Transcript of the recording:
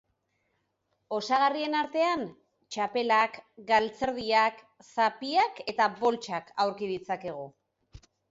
Osagarrien artean, txapelak, galtzerdiak, zapiak eta poltsak aurki ditzakegu.